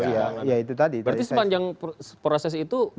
berarti sepanjang proses itu